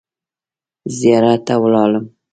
زیارت ته ولاړم.